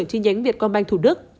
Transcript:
chi nhánh việt com banh thủ đức